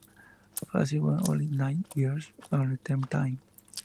Fazil was only nine years old at that time.